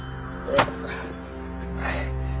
はい。